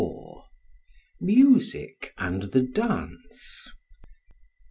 Music and the Dance.